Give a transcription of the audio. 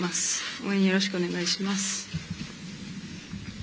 応援、よろしくお願いします。